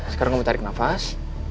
sekarang kamu tarik nafas